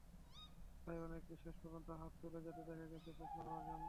তাই অনেককে শেষ পর্যন্ত হাত তুলে যেতে দেখা গেছে প্রশ্ন করার জন্য।